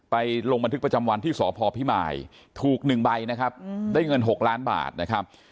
ลงบันทึกประจำวันที่สพพิมายถูก๑ใบนะครับได้เงิน๖ล้านบาทนะครับ